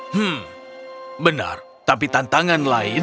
hmm benar tapi tantangan lain